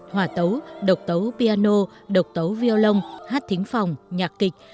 hòa tấu độc tấu piano độc tấu violon hát thính phòng nhạc kịch